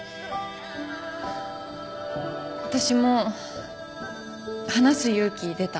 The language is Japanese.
あたしも話す勇気出た。